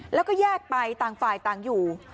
แล้วก็แยกไปต่างฝ่ายต่างอยู่